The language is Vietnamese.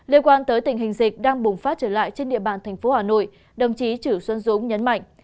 liên quan tới tình hình dịch đang bùng phát trở lại trên địa bàn thành phố hà nội đồng chí chử xuân dũng nhấn mạnh